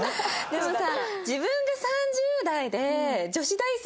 でもさ。